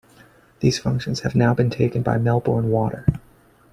These functions have now been taken by Melbourne Water.